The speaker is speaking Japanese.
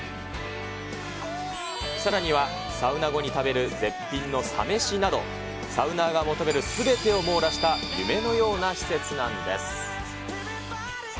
さらには、サウナ後に食べる絶品のサ飯など、サウナーが求めるすべてを網羅した夢のような施設なんです。